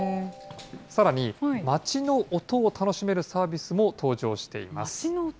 さらに、街の音を楽しめるサービスも登場しています。